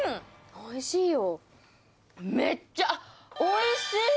おいしいよ。